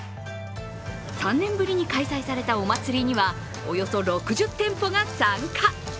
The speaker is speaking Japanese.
３年ぶりの開催されたお祭りにはおよそ６０店舗が参加。